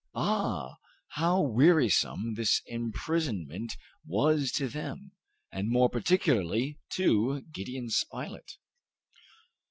Ah! how wearisome this imprisonment was to them, and more particularly to Gideon Spilett.